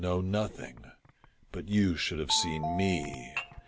569 know nothing. But you should have seen me.